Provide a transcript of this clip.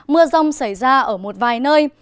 mưa rong xảy ra ở một vài nơi